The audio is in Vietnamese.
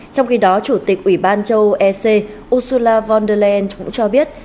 trong khi đó chủ tịch ủy ban châu âu ec ursula von der leyen cũng cho biết